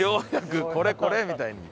これこれ！みたいに。